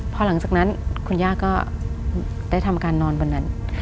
พอหลังจากนั้นคุณย่าก็ได้ทำการนอนบนนั้น